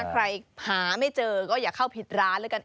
ใครหาไม่เจอก็อย่าเข้าผิดร้านแล้วกัน